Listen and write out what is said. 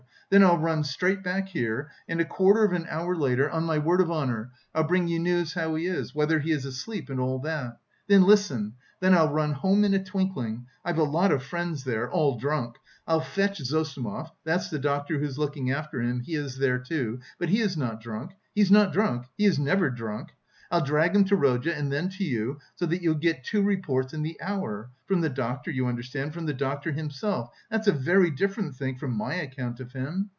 Then I'll run straight back here and a quarter of an hour later, on my word of honour, I'll bring you news how he is, whether he is asleep, and all that. Then, listen! Then I'll run home in a twinkling I've a lot of friends there, all drunk I'll fetch Zossimov that's the doctor who is looking after him, he is there, too, but he is not drunk; he is not drunk, he is never drunk! I'll drag him to Rodya, and then to you, so that you'll get two reports in the hour from the doctor, you understand, from the doctor himself, that's a very different thing from my account of him!